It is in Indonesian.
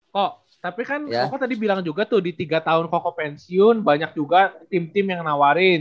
kok tapi kan koko tadi bilang juga tuh di tiga tahun koko pensiun banyak juga tim tim yang nawarin